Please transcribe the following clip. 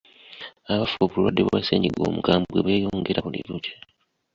Abafa obulwadde bwa ssennyiga omukambwe beeyongera buli lukya.